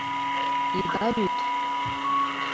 Ида лӱд!